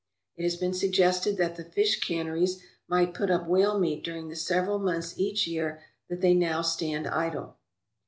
It has been suggested that the fish canneries might put up whale meat during the several months each year that they now stand idle.